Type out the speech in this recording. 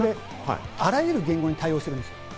あらゆる言語に対応してるんです。